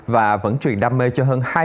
và vẫn truyền đam mê cho hơn